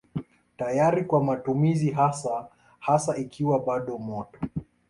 Tayari kwa matumizi hasa hasa ikiwa bado moto.